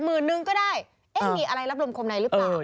๑๐๐๐๐บาทก็ได้มีอะไรรับรวมคมในหรือเปล่า